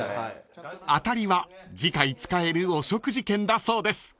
［当たりは次回使えるお食事券だそうです］